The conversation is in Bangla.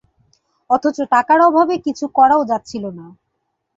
অথচ টাকার অভাবে কিছু করাও যাচ্ছিল না।